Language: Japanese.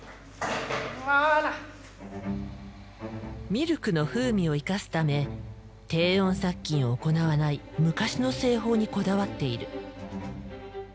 ミルクの風味を生かすため低温殺菌を行わない昔の製法にこだわっている。